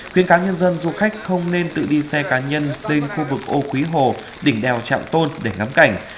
tuyên cá nhân dân du khách không nên tự đi xe cá nhân lên khu vực âu quý hồ đỉnh đèo trạm tôn để ngắm cảnh